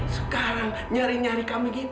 sekarang nyari nyari kami gini